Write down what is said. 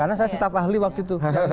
karena saya staff ahli waktu itu